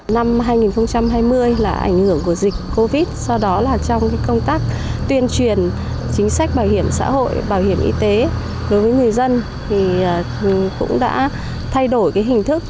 năm hai nghìn hai mươi là ảnh hưởng của dịch covid do đó là trong công tác tuyên truyền chính sách bảo hiểm xã hội bảo hiểm y tế đối với người dân thì cũng đã thay đổi cái hình thức